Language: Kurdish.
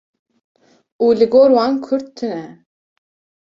û li gor wan Kurd tune.